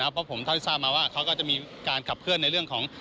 เพราะผมเท่าที่ทราบมาว่าเขาก็จะมีการขับเคลื่อนในเรื่องของ